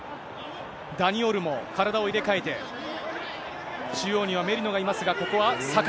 ダニ・オルモ、体を入れ替えて、中央にはメリノがいますが、ここは酒井。